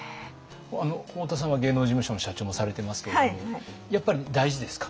太田さんは芸能事務所の社長もされてますけれどもやっぱり大事ですか？